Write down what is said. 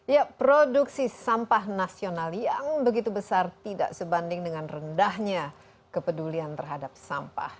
ya produksi sampah nasional yang begitu besar tidak sebanding dengan rendahnya kepedulian terhadap sampah